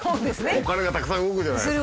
お金がたくさん動くじゃないですか。